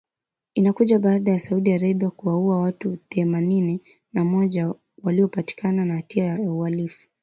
Inakuja baada ya Saudi Arabia kuwaua watu thema nini na moja waliopatikana na hatia ya uhalifu